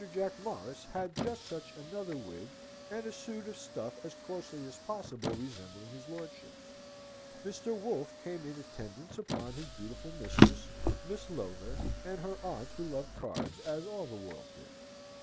Jack Morris had just such another wig and a suit of stuff as closely as possible resembling his lordship's. Mr. Wolfe came in attendance upon his beautiful mistress, Miss Lowther, and her aunt who loved cards, as all the world did.